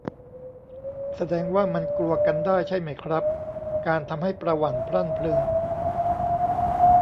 แสดงว่ามันกลัวกันได้ใช่ไหมครับ การทำให้ประหวั่นพรั่นพรึง